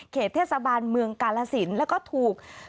เทศบาลเมืองกาลสินแล้วก็ถูก